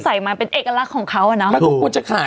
อุ๊บใส่มาเป็นเอกลักษณ์ของเขาอ่ะเนอะ